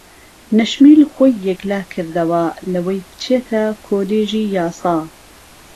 نەشمیل خۆی یەکلا کردەوە لەوەی بچێتە کۆلێژی یاسا.